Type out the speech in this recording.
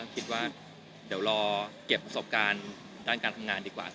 คิดว่าเดี๋ยวรอเก็บประสบการณ์ด้านการทำงานดีกว่า